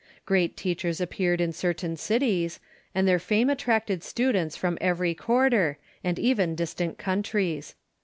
Great teachers appeared in certain cities, and their fame attracted students from every quarter, and even distant countries.